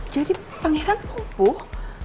jadi pangeran lumpuh